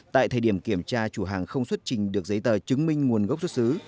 tại thời điểm kiểm tra chủ hàng không xuất trình được giấy tờ chứng minh nguồn gốc xuất xứ